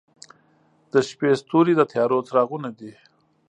• د شپې ستوري د تیارو څراغونه دي.